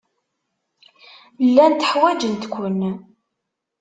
Llant ḥwajent-ken.